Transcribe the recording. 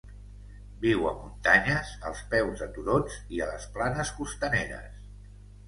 Viu a muntanyes, als peus de turons i a les planes costaneres.